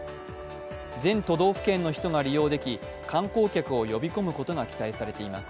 全都道府県の人が利用でき観光客を呼び込むことが期待されています。